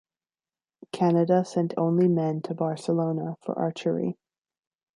Canada sent only men to Barcelona for archery.